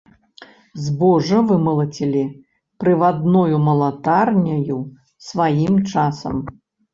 Збожжа вымалацілі прывадною малатарняю сваім часам.